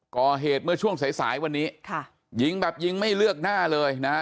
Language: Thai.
ก่อเหตุเมื่อช่วงสายสายวันนี้ค่ะยิงแบบยิงไม่เลือกหน้าเลยนะฮะ